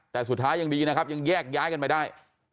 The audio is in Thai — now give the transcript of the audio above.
แต่สุดท้ายยังดีนะครับยังแยกย้ายกันไปได้